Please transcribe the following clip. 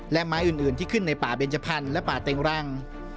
และไม้อื่นที่ขึ้นในป่าเบนจพันธ์และป่าเต็งรัง